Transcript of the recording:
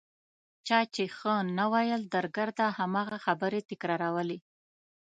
چا چې ښه نه ویل درګرده هماغه خبرې تکرارولې.